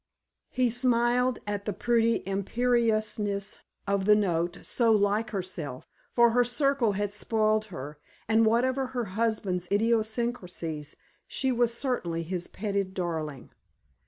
He smiled at the pretty imperiousness of the note so like herself; for her circle had spoiled her, and whatever her husband's idiosyncrasies she was certainly his petted darling.